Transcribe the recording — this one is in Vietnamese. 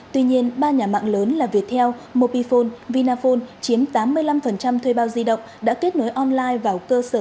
tuy nhiên ba nhà mạng lớn là viettel mopifone vinaphone chiếm tám mươi năm thuê bao di động đã kết nối online vào cơ sở